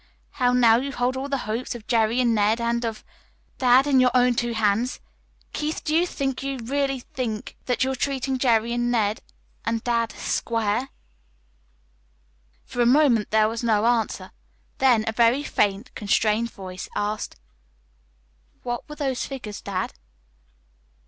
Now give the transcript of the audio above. how now you hold all the hopes of Jerry and Ned and of dad in your own two hands? Keith, do you think, do you really think you're treating Jerry and Ned and dad square?" For a moment there was no answer; then a very faint, constrained voice asked: "What were those figures, dad?"